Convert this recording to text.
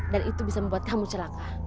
dan itu bisa membuat kamu celaka